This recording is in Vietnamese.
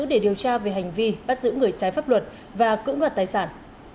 để điều tra về hành vi bắt giữ người trái pháp luật và cưỡng đoạt tài sản